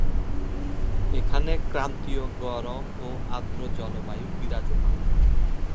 এখানে ক্রান্তীয় গরম ও আর্দ্র জলবায়ু বিরাজমান।